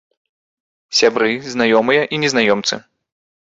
Сябры, знаёмыя і незнаёмцы.